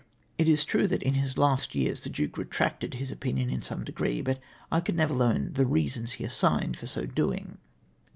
It is true that in liis last years the Duke retracted his opinion in some degree, but I could never learn the reasons he assigned for so doing